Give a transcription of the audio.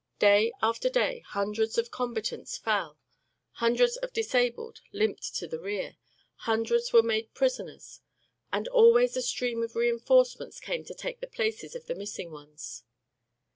Day after day hundreds of combatants fell; hundreds of disabled limped to the rear; hundreds were made prisoners. And always a stream of reinforcements came to take the places of the missing ones.